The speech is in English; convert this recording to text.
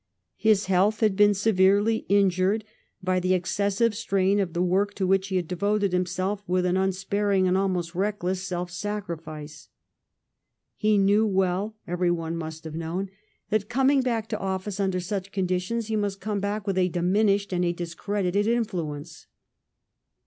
His health had been severely injured by the excessive strain of the work to which he had devoted himself with an unsparing and almost reckless self sacrifice. He knew well, every one must have known, that, com 292 THE STORY OF GLADSTONE'S LIFE ing back to office under such conditions, he must come back with a diminished and a discredited influence.